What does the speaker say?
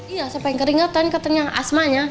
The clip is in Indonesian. iya sampai keringetan katanya asma nya